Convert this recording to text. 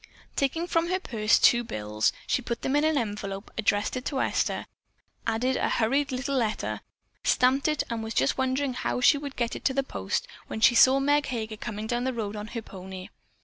Taking from her purse two bills, she put them in an envelope addressed to Esther, added a hurried little letter, stamped it and was just wondering how she would get it to the post when she saw Meg Heger coming down the road on her pony.